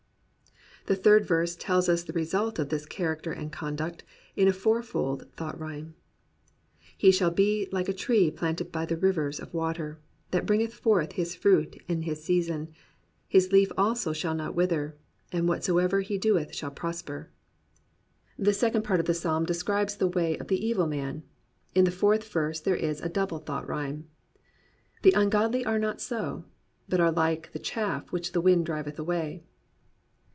The third verse tells us the result of this character and conduct, in a fourfold thought rhyme. He shall be like a tree planted by the rivers of water: That bringeth forth his fruit in his season: His leaf also shall not wither: And whatsoever he doeth shall prosper. 43 COMPANIONABLE BOOKS The second part of the psalm describes the way of the evil man. In the fourth verse there is a double thought rhyme. The ungodly are not so; But are like the chaff which the wind driveth away.